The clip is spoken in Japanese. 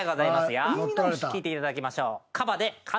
聴いていただきましょう。